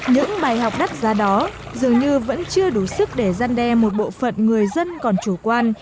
những bài học đắt ra đó dường như vẫn chưa đủ sức để gian đe một bộ phận người dân còn chủ quan